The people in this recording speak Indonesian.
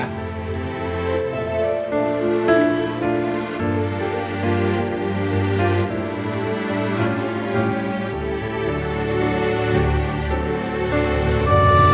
aku ngerti ra